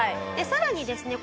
さらにですね